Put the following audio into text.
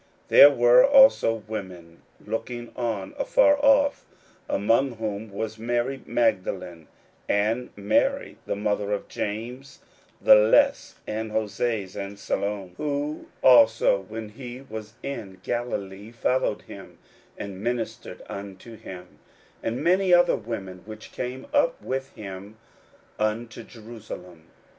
41:015:040 There were also women looking on afar off: among whom was Mary Magdalene, and Mary the mother of James the less and of Joses, and Salome; 41:015:041 (Who also, when he was in Galilee, followed him, and ministered unto him;) and many other women which came up with him unto Jerusalem.